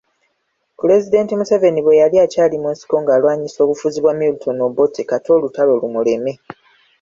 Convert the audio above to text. Pulezidenti Museveni bwe yali akyali mu nsiko ng'alwanyisa obufuzi bwa Milton Obote kata olutalo lumuleme.